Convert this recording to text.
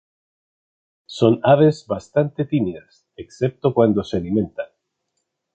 Son aves bastantes tímidas excepto cuando se alimentan.